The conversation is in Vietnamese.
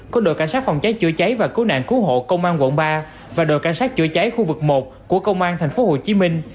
cháy chữa cháy và cứu nạn cứu hộ công an quận ba và đội cảnh sát chữa cháy khu vực một của công an thành phố hồ chí minh